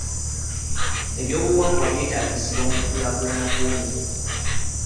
Ebyobuwangwa byetaagisibwa mu kulaakulana kw'omuntu.